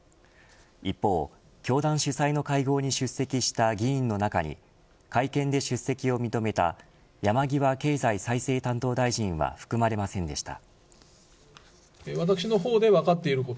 一方、教団主催の会合に出席した議員の中に会見で出席を認めた山際経済再生担当大臣は含まれませんでした。